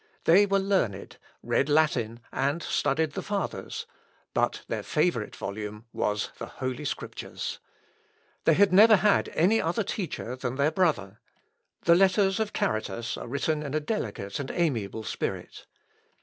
They were learned, read Latin, and studied the Fathers; but their favourite volume was the Holy Scriptures. They had never had any other teacher than their brother. The letters of Charitas are written in a delicate and amiable spirit.